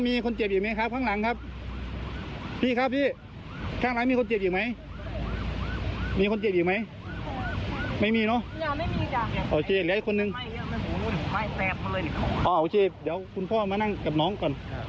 มีคนเจ็ดอีกไหมไม่มีเนอะไม่มีอีกจังเดี๋ยวคุณพ่อมานั่งกับน้องก่อน